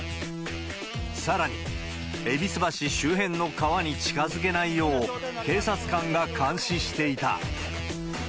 さらに、戎橋周辺の川に近づけないよう、警察官が監視していた。